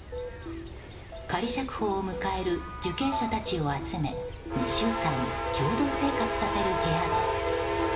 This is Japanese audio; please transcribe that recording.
仮釈放を迎える受刑者たちを集め２週間、共同生活させる部屋です。